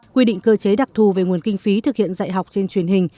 quy định cơ chế đặc thù về nguồn kinh phí thực hiện dạy học trên truyền hình